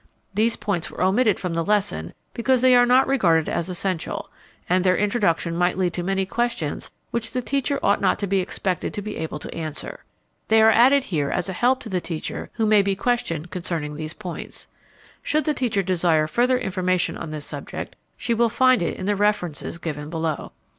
These points were omitted from the lesson because they are not regarded as essential, and their introduction might lead to many questions which the teacher ought not to be expected to be able to answer. They are added here as a help to the teacher who may be questioned concerning these points. Should the teacher desire further information on this subject, she will find it in the references given below.